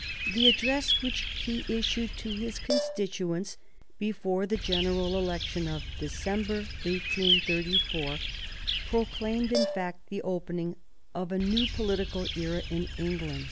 The address which he issued to his constituents before the general election in December, 1834, proclaimed, in fact, the opening of a new political era in England.